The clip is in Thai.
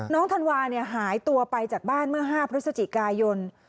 ธันวาหายตัวไปจากบ้านเมื่อ๕พฤศจิกายน